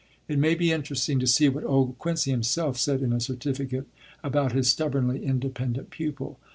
It may be interesting to see what old Quincy himself said, in a certificate, about his stubbornly independent pupil.